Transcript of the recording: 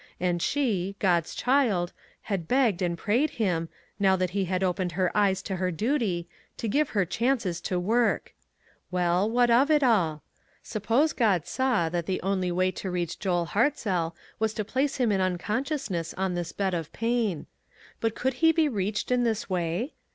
And she, God's child, had begged and prayed him, now that he had opened her eyes to her duty, to give her chances to work ! Well, what of it all? Suppose God saw that the only way to reach Joel Hart STORM AND CALM. 369 zell was to place him in unconsciousness on this bed of pain. But could he be reached in this way?